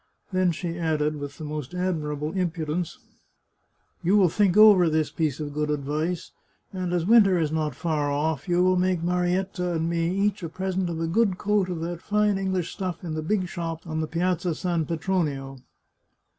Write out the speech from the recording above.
Then she added, with the most admirable impudence, " You will think over this piece of good advice, and, as winter is not far off, you will make Marietta and me each a present of a good coat of that fine English stuff in the big shop on the Piazza San Pe tronio."